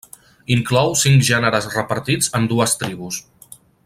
Inclou cinc gèneres repartits en dues tribus.